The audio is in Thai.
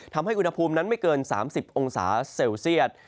ทำให้อุณหภูมินั้นไม่เกิน๓๐องศาเซลเซียต